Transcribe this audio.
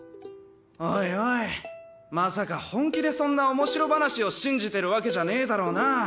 おいおいまさか本気でそんな面白話を信じてるわけじゃねえだろな。